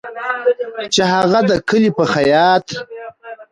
چې هغه د کلي په خیاط